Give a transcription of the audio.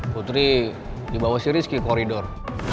putri dibawah si rizky koridor